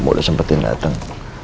kamu dah sempatin datang